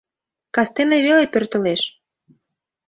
Кастене веле пӧртылеш...»